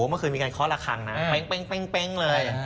เมื่อคืนมีการเคาะละครั้งนะเป๊งเลย